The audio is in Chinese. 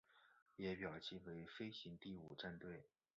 也表记为飞行第五战队。